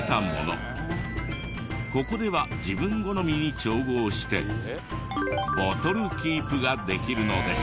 ここでは自分好みに調合してボトルキープができるのです。